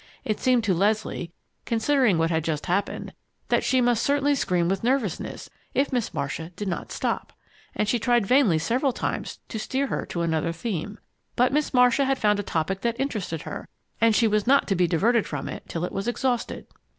It seemed to Leslie, considering what had just happened, that she must certainly scream with nervousness if Miss Marcia did not stop, and she tried vainly several times to steer her to another theme. But Miss Marcia had found a topic that interested her, and she was not to be diverted from it till it was exhausted!